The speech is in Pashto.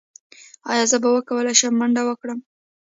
ایا زه به وکولی شم منډه کړم؟